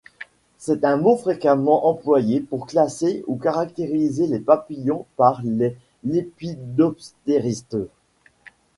C'est un mot fréquemment employé pour classer ou caractériser les papillons par les lépidoptéristes.